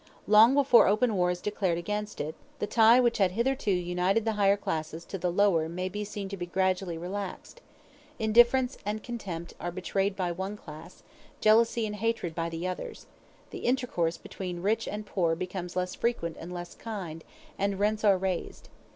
Long before open war is declared against it, the tie which had hitherto united the higher classes to the lower may be seen to be gradually relaxed. Indifference and contempt are betrayed by one class, jealousy and hatred by the others; the intercourse between rich and poor becomes less frequent and less kind, and rents are raised.